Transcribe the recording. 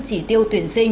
những điểm mới đó là gì